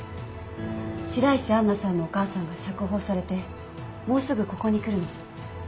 白石杏奈さんのお母さんが釈放されてもうすぐここに来るの。